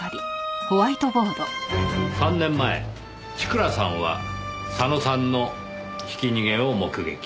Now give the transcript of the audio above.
３年前千倉さんは佐野さんのひき逃げを目撃。